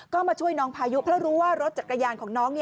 ก็มาช่วยน้องพายุเพราะรู้ว่ารถจักรยานของน้อง